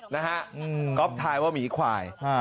นะฮะก๊อฟทายว่าหมีควาย